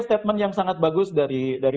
statement yang sangat bagus dari